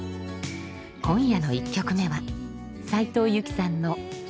今夜の１曲目は斉藤由貴さんの「卒業」。